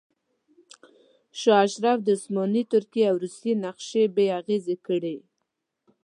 شاه اشرف د عثماني ترکیې او روسیې نقشې بې اغیزې کړې.